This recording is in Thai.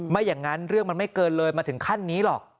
ไม่อย่างนั้นเรื่องมันไม่เกินเลยมาถึงขั้นนี้หรอก